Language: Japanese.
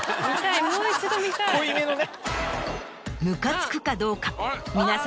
濃いめのね。